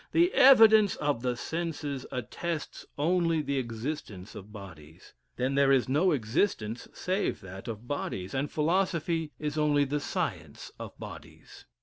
The evidence of the senses attests only the existence of bodies; then there is no existence save that of bodies, and philosophy is only the science of bodies.